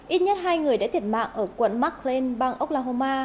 ít nhất hai người đã thiệt mạng ở quận mark lane bang oklahoma